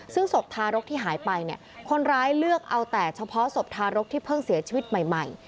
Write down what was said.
ซึ่งศพทารกที่หายไปเนี่ยคนร้ายเลือกเอาแต่เฉพาะศพทารกที่เพิ่งเสียชีวิตใหม่